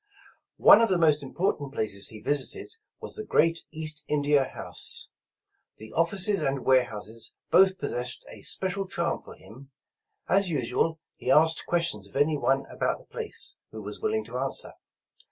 One of the most important places he visited was the great East India House. The offices and warehouses both possessed a special charm for him. As usual, he asked questions of any one about the place, who was willing to answer.